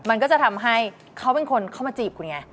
มันก็จะทำให้เขาเป็นคนเข้ามาจีบคุณไง